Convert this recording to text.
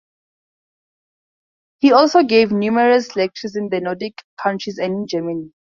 He also gave numerous lectures in the Nordic countries and in Germany.